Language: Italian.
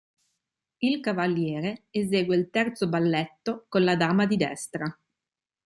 Il cavaliere esegue il terzo balletto con la dama di destra.